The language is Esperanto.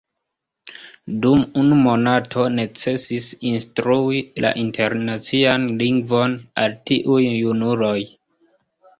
Dum unu monato necesis instrui la Internacian Lingvon al tiuj junuloj.